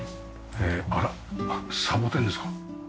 あらサボテンですか？